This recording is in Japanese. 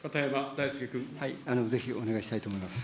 ぜひ、お願いしたいと思います。